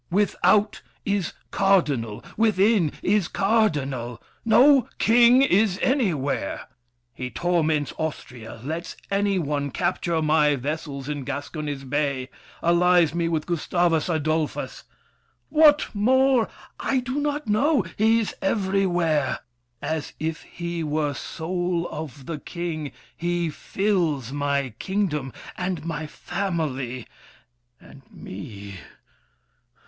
Without is cardinal, within Is cardinal; no king is anywhere! He torments Austria, lets any one Capture my vessels in Gascony's Bay. Allies me with Gustavus Adolphus! What more? I do not know. He's everywhere: As if he were soul of the king, he fills My kingdom, and my family, and me.